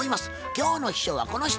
今日の秘書はこの人。